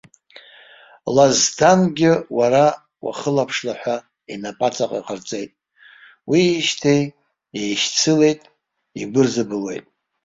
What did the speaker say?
Лазсҭангьы уара уахылаԥшла ҳәа инап аҵаҟа иҟарҵеит, уиижьҭеи еишьцылеит, игәы рзыбылуеит.